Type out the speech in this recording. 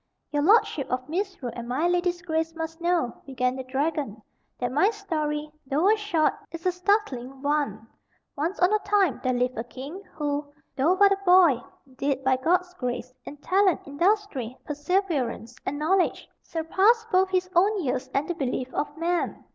"Your lordship of Misrule and my lady's grace must know," began the dragon, "that my story, though a short, is a startling one. Once on a time there lived a king, who, though but a boy, did, by God's grace, in talent, industry, perseverance, and knowledge, surpass both his own years and the belief of men.